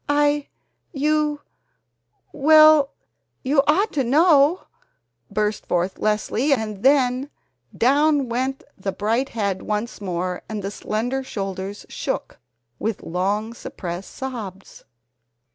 "I you WELL, YOU ought to know !" burst forth Leslie and then down went the bright head once more and the slender shoulders shook with long suppressed sobs.